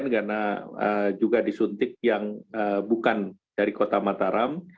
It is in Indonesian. karena juga disuntik yang bukan dari kota mataram